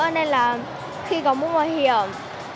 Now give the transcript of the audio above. vì vậy nên là khi có mũ bảo hiểm